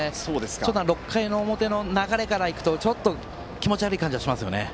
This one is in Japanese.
ちょっと６回表の流れからいくとちょっと気持ち悪い感じがしますよね。